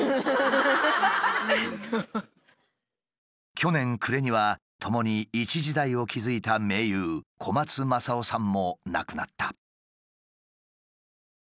去年暮れには共に一時代を築いた盟友小松政夫さんも亡くなった。